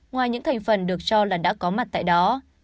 ngoài những thành phần được cho là đã có mặt tại đó